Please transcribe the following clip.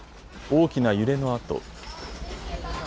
大きな揺れのあと。